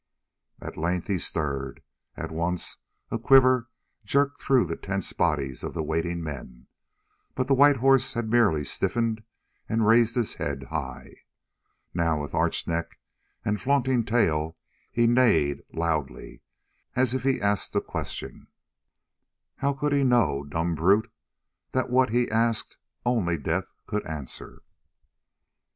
At length he stirred. At once a quiver jerked through the tense bodies of the waiting men, but the white horse had merely stiffened and raised his head high. Now, with arched neck and flaunting tail he neighed loudly, as if he asked a question. How could he know, dumb brute, that what he asked only death could answer?